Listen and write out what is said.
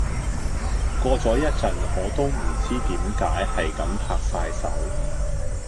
過咗一陣我都唔知點解係咁拍曬手